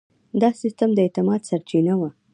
دا سیستم د اعتماد سرچینه وه.